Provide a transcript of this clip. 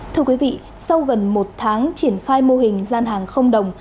thưa quý vị sau gần một tháng triển khai mô hình gian hàng không đồng